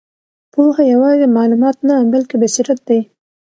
پوهه یوازې معلومات نه، بلکې بصیرت دی.